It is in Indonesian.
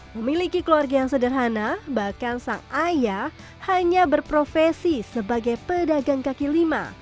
memiliki keluarga yang sederhana bahkan sang ayah hanya berprofesi sebagai pedagang kaki lima